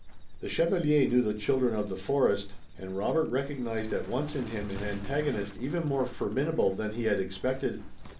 The chevalier knew the children of the forest, and Robert recognized at once in him an antagonist even more formidable than he had expected.